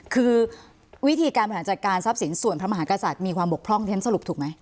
คือวิธีการบริหารจัดการทรัพย์สินส่วนพระมหากษัตริย์มีความบกพร่องที่ฉันสรุปถูกไหม